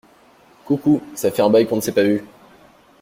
Coucou! Ça fait un bail qu’on ne s’est pas vus !